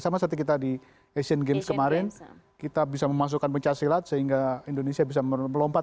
sama seperti kita di asian games kemarin kita bisa memasukkan pencah silat sehingga indonesia bisa melompat